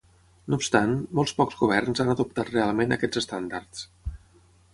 No obstant, molts pocs governs han adoptat realment aquests estàndards.